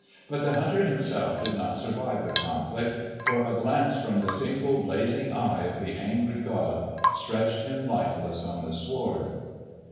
But the hunter himself did not survive the conflict, for a glance from the single blazing eye of the angry god stretched him lifeless on the sward.